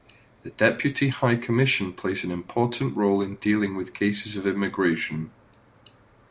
The Deputy High Commission plays an important role in dealing with cases of immigration.